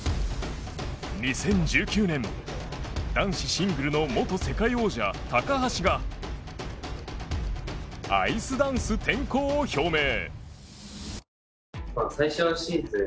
２０１９年、男子シングルの元世界王者・高橋がアイスダンス転向を表明。